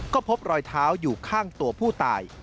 ก็พบรอยเท้าอยู่ข้างตัวผู้ตาย